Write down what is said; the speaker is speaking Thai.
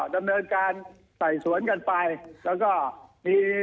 ดำเนินการไต่สวนกันไปแล้วก็มี